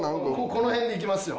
この辺でいきますよ。